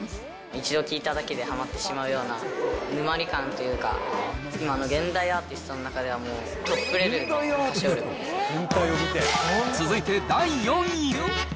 一度聴いただけではまってしまうような、沼り感というか、現代アーティストの中では、もうトップレベルの続いて第４位。